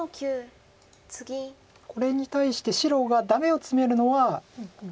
これに対して白がダメをツメるのは。